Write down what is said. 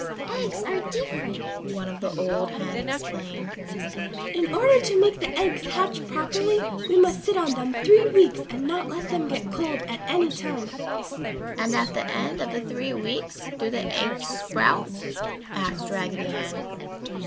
"Eggs are different!" one old hen explained. "In order to make the eggs hatch properly, we must sit on them three weeks and not let them get cold at any time!" "And at the end of the three weeks do the eggs sprout?" asked Raggedy Ann.